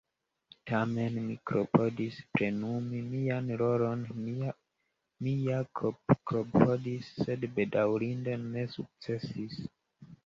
Tamen mi klopodis plenumi mian rolon; mi ja klopodis, sed bedaŭrinde ne sukcesis.